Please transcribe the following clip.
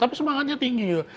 tapi semangatnya tinggi gitu